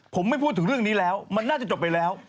ผมไม่พูดถึงเรื่องนี้แล้วมันน่าจะจบไปแล้ว